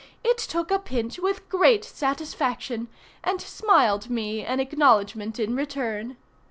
It took a pinch with great satisfaction, and smiled me an acknowledgement in return.